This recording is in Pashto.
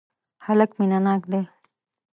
هلک مینه ناک دی.